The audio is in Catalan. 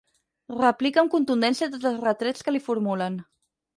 Replica amb contundència tots els retrets que li formulen.